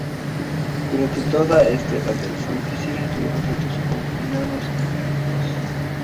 Durante toda esta Edad del Sol crecieron y tuvieron tratos con Enanos y Elfos.